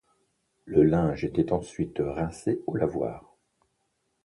Le linge était ensuite rincé au lavoir.